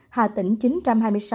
hà tĩnh một chín trăm hai mươi sáu ca